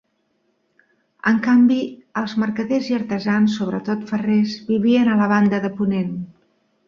En canvi els mercaders i artesans, sobretot ferrers, vivien a la banda de ponent.